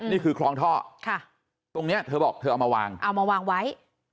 นี่คือคลองท่อตรงนี้เธอบอกเอามาวางไว้